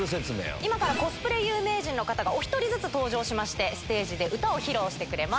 今からコスプレ有名人の方がお１人ずつ登場しまして、ステージで歌を披露してくれます。